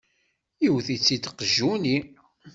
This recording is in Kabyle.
Yewwet-itt-id qjuni!